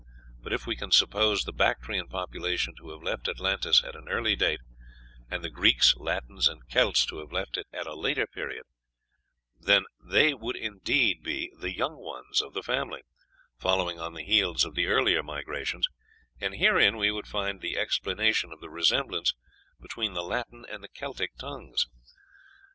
But if we can suppose the Bactrian population to have left Atlantis at an early date, and the Greeks, Latins, and Celts to have left it at a later period, then they would indeed be the "Young Ones" of the family, following on the heels of the earlier migrations, and herein we would find the explanation of the resemblance between the Latin and Celtic tongues.